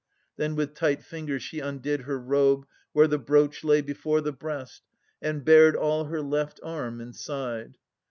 Then with tight fingers she undid her robe, Where the brooch lay before the breast, and bared All her left arm and side.